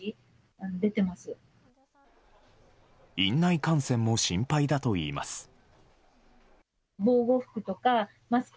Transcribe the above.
院内感染も心配だといいます。